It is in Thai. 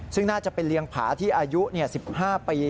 ซึ่งน่าจะเป็นเลี้ยงผาที่อายุ๑๕ปี